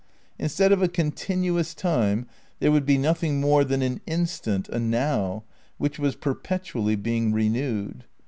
Instead of a continuous Time, there would be nothing more than an instant, a now, which was perpetually being renewed.